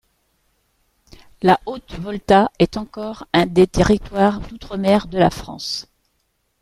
La Haute-Volta est encore un des territoires d'outre-mer de la France.